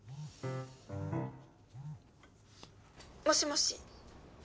もしもし？